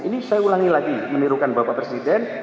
ini saya ulangi lagi menirukan bapak presiden